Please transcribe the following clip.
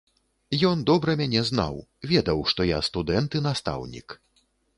Ён добра мяне знаў, ведаў, што я студэнт і настаўнік.